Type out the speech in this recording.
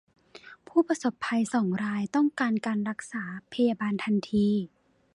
ผู้ประสบภัยสองรายต้องการการรักษาพยาบาลทันที